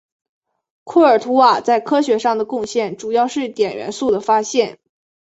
库尔图瓦在科学上的贡献主要是碘元素的发现。